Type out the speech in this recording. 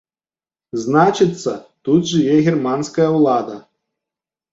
Значыцца, тут жыве германская ўлада!